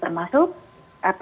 termasuk penegakan dan peninggalan